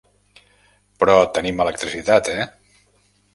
Però tenim electricitat, eh?